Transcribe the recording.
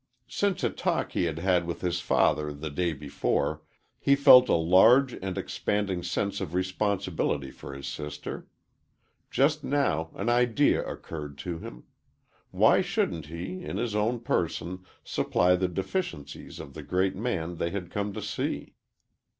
Since a talk he had had with his father the day before, he felt a large and expanding sense of responsibility for his sister. Just now an idea occurred to him why shouldn't he, in his own person, supply the deficiencies of the great man they had come to see?